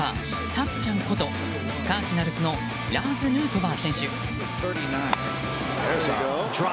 たっちゃんことカージナルスのラーズ・ヌートバー選手。